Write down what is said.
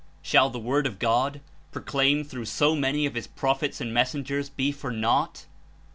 Shall the Word of God, proclaimed through so many of his prophets and messengers, be for naught?